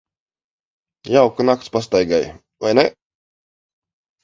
Jauka nakts pastaigai, vai ne?